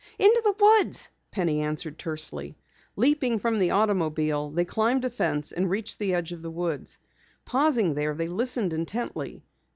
"Into the woods," Penny answered tersely. Leaping from the automobile, they climbed a fence, and reached the edge of the woods. Pausing there, they listened intently.